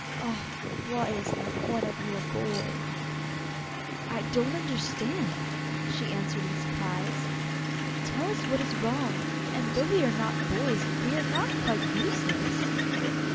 Ah! why is not one of you a boy!' 'I don't understand,' she answered in surprise. 'Tell us what is wrong: and though we are not boys, we are not quite useless!